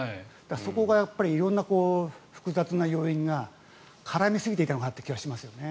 そこが色んな複雑な要因が絡みすぎていた気がしますよね。